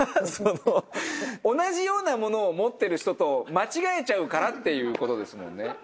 同じ様な物を持ってる人と間違えちゃうからっていうことですもんね。